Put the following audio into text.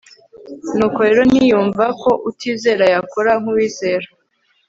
nuko rero ntiyumva ko utizera yakora nk'uwizera